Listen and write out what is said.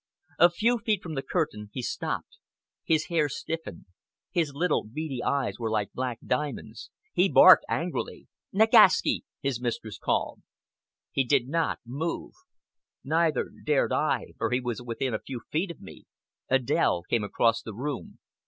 A few feet from the curtain he stopped. His hair stiffened. His little, beady eyes were like black diamonds. He barked angrily. "Nagaski!" his mistress called. He did not move. Neither dared I, for he was within a few feet of me. Adèle came across the room.